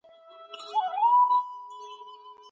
ډاکټرانو د خطر په اړه خبرداری ورکړی.